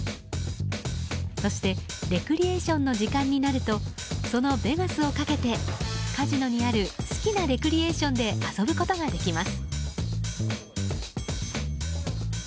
そしてレクリエーションの時間になるとそのベガスを賭けてカジノにある好きなレクリエーションで遊ぶことができます。